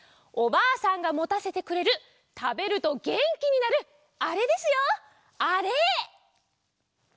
おばあさんがもたせてくれるたべるとげんきになるあれですよあれ！